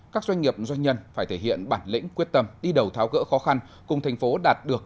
các doanh nghiệp doanh nhân phải thể hiện bản lĩnh quyết tâm đi đầu tháo gỡ khó khăn cùng thành phố đạt được